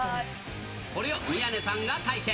これを宮根さんが体験。